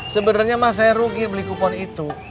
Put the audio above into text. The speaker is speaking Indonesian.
sebenernya mah saya rugi beli kupon itu